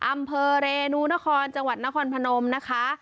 อำเภอเรนูนครจังหวัดนครพนมนะคะ